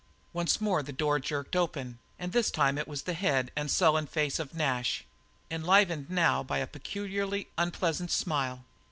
Once more the door jerked open, and this time it was the head and sullen face of Nash, enlivened now by a peculiarly unpleasant smile.